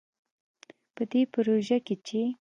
په دې پروژه کې چې